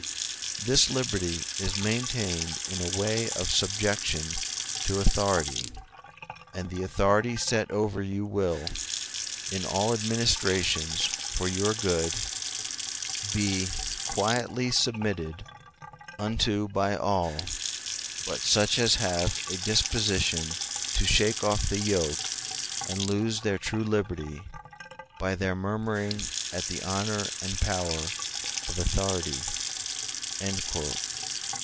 This liberty is maintained in a way of subjection to authority; and the authority set over you will, in all administrations for your good, be quietly submitted unto by all but such as have a disposition to shake off the yoke and lose their true liberty, by their murmuring at the honor and power of authority."